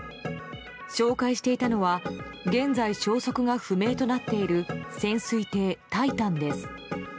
紹介していたのは現在、消息が不明となっている潜水艇「タイタン」です。